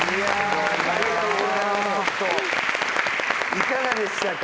いかがでしたか？